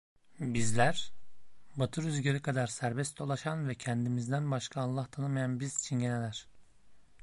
Bizler: Batı rüzgarı kadar serbest dolaşan ve kendimizden başka Allah tanımayan biz Çingene'ler.